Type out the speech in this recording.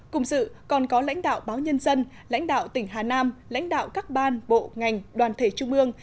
cùng dự còn có lãnh đạo báo nhân dân lãnh đạo tỉnh hà nam lãnh đạo các ban bộ ngành đoàn thể trung ương